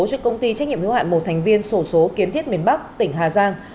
cho công ty trách nhiệm hiếu hạn một thành viên sổ số kiến thiết miền bắc tỉnh hà giang